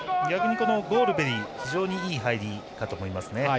逆にゴールベリが非常にいい入りかと思いますね。